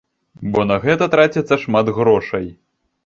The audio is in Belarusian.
Бо на гэта траціцца шмат грошай.